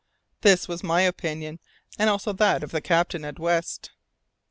This was my own opinion, and also that of the captain and West.